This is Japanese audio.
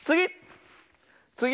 つぎ！